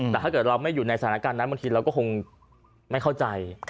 แต่ถ้าเกิดเราไม่อยู่ในสถานการณ์นั้นบางทีเราก็คงไม่เข้าใจ